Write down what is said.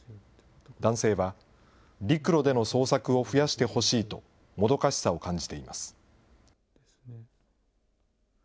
男性は、陸路での捜索を増やしてほしいと、もどかしさを感じています。